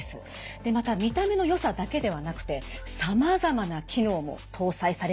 でまた見た目のよさだけではなくてさまざまな機能も搭載されてるんですよね。